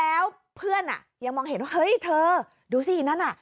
แล้วเพื่อนอ่ะยังมองเห็นว่าเฮ้ยเธอดูสินั่นน่ะ